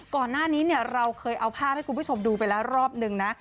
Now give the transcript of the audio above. ก่อนหน้านี้เราเคยเอาภาพให้คุณผู้ชมดูไปแล้วรอบนึงนะ